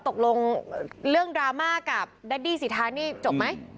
ตกลงเรื่องดราม่ากับดัดดี้สิทธานี่จบไหม